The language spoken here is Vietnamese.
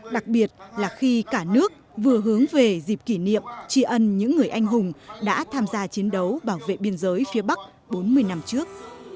đặc biệt là khi cả nước vừa hướng về dịp kỷ niệm tri ân những người anh hùng đã tham gia chiến đấu bảo vệ biên giới phía bắc bốn mươi năm trước